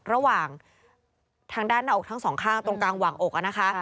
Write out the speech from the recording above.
ระหว่างทางด้านหน้าอกทั้ง๒ข้างตรงกลางหวั่งอก